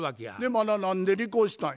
また何で離婚したいん？